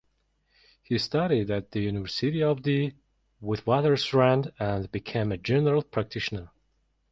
He studied at the University of the Witwatersrand and became a general practitioner.